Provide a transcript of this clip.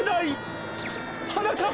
はなかっ